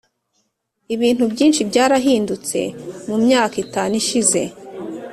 ibintu byinshi byarahindutse mumyaka itanu ishize.